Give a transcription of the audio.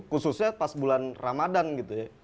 khususnya pas bulan ramadhan gitu ya